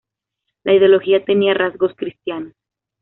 La ideología tenía rasgos cristianos.